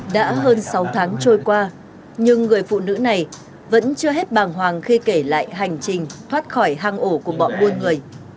đã hơn sáu tháng trôi qua nhưng người phụ nữ này vẫn chưa hết bàng hoàng khi kể lại hành trình thoát khỏi hang ổ của bọn buôn người